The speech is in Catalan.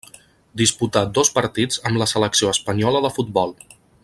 Disputà dos partits amb la selecció espanyola de futbol.